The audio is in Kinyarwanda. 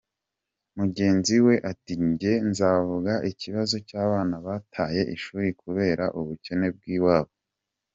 Mugenzi we ati “Jye nzavuga ikibazo cy’abana bataye ishuri kubera ubukene bw’iwabo.